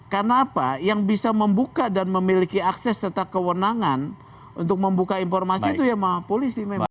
karena apa yang bisa membuka dan memiliki akses serta kewenangan untuk membuka informasi itu ya polisi memang